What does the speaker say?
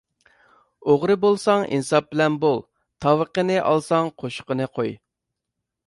ئوغرى بولساڭ ئىنساپ بىلەن بول، تاۋىقىنى ئالساڭ قوشۇقىنى قوي.